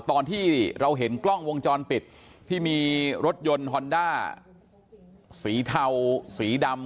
ตอนที่เราเห็นกล้องวงจรปิดที่มีรถยนต์ฮอนด้าสีเทาสีดำ